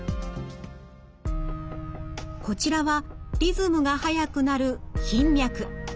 こちらはリズムが速くなる頻脈。